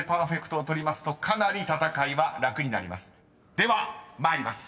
［では参ります。